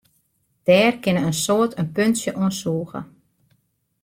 Dêr kinne in soad in puntsje oan sûge.